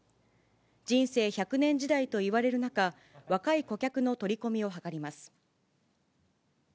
人生１００年時代と言われる中、若い顧客の取り込みを図ります。